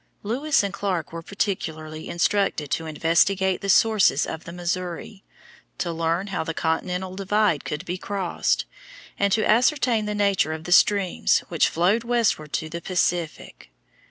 Lewis and Clark were particularly instructed to investigate the sources of the Missouri, to learn how the continental divide could be crossed, and to ascertain the nature of the streams which flowed westward to the Pacific.